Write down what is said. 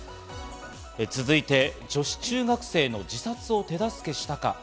続いて、女子中学生の自殺を手助けしたか。